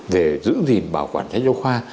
về giữ gìn bảo quản sách giáo khoa